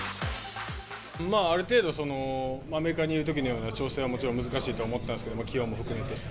ある程度、アメリカにいるときのような調整はもちろん難しいと思ったんですけど、気温も含めて。